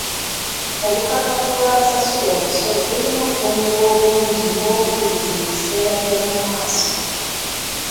Obukakafu bw'abasasula omusolo bulina kukuumibwa bulungi ng'obujulizi mu biseera by'omu maaso.